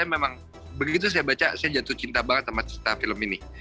dan saya memang begitu saya baca saya jatuh cinta banget sama cerita film ini